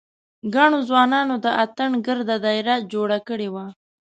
ګڼو ځوانانو د اتڼ ګرده داېره جوړه کړې وه.